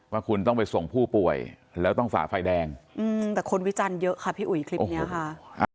ว่าคุณต้องไปส่งผู้ป่วยแล้วต้องฝ่าไฟแดงแต่คนวิจารณ์เยอะค่ะพี่อุ๋ยคลิปนี้ค่ะ